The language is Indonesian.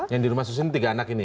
yang di rumah susun tiga anak ini